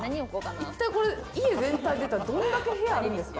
一体、家全体で言ったら、どれだけ部屋あるんですか？